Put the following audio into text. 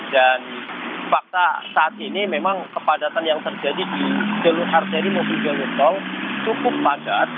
dan fakta saat ini memang kepadatan yang terjadi di jeluh arteri mopi jeluh tol cukup padat